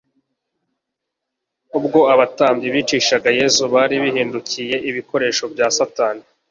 Ubwo abatambyi bicishaga Yesu, bari bihindukiye ibikoresho bya Satani.